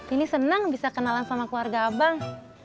ini senang bisa kenalan sama keluarga abang